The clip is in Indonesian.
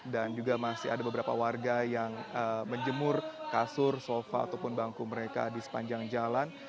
dan juga masih ada beberapa warga yang menjemur kasur sofa ataupun bangku mereka di sepanjang jalan